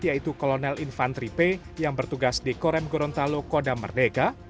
yaitu kolonel infantri p yang bertugas di korem gorontalo kodam merdeka